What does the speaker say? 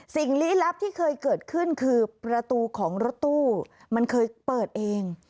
ลี้ลับที่เคยเกิดขึ้นคือประตูของรถตู้มันเคยเปิดเอง